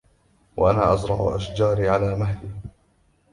وأنا أزرع أشجاري, على مهلي